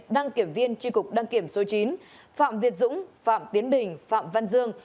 đăng kiểm viên tri cục đăng kiểm số chín phạm việt dũng phạm tiến bình phạm văn dương